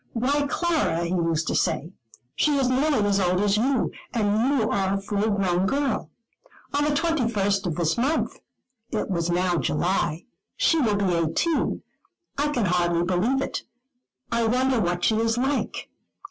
"Why, Clara," he used to say, "she is nearly as old as you, and you are a full grown girl. On the 21st of this month" it was now July "she will be eighteen; I can hardly believe it. I wonder what she is like.